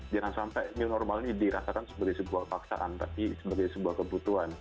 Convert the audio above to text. jangan sampai new normal ini dirasakan sebagai sebuah paksaan tapi sebagai sebuah kebutuhan